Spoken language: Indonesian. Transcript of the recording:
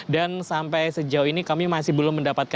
dan sampai sejauh ini kami masih belum mendapatkan